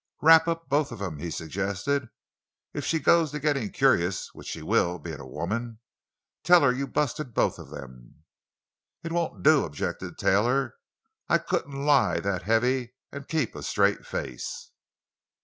"Wrap up both of 'em!" he suggested. "If she goes to gittin' curious—which she will, bein' a woman—tell her you busted both of 'em!" "It won't do," objected Taylor; "I couldn't lie that heavy an' keep a straight face."